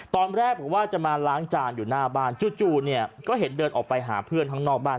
ตอนแรกบอกว่าจะมาล้างจานอยู่หน้าบ้านจู่เนี่ยก็เห็นเดินออกไปหาเพื่อนข้างนอกบ้าน